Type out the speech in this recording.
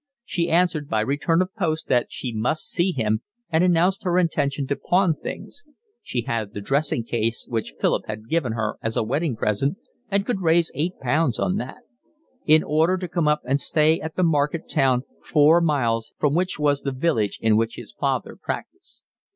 She answered by return of post that she must see him and announced her intention to pawn things (she had the dressing case which Philip had given her as a wedding present and could raise eight pounds on that) in order to come up and stay at the market town four miles from which was the village in which his father practised.